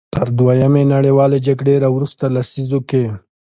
تر دویمې نړیوالې جګړې راوروسته لسیزو کې.